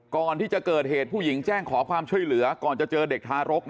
ก่อนที่จะเกิดเหตุผู้หญิงแจ้งขอความช่วยเหลือก่อนจะเจอเด็กทารก